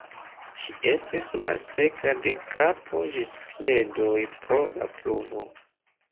Ŝi estis malseka de kapo ĝis piedoj pro la pluvo.